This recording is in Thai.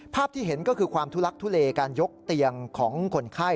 ที่เห็นก็คือความทุลักทุเลการยกเตียงของคนไข้